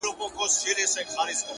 هوښیار انتخاب راتلونکې اندېښنې کموي.